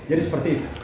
jadi seperti itu